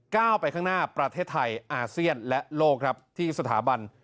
ก้าวไปข้างหน้าประเทศไทยอาเซียนและโลกครับที่สถาบัน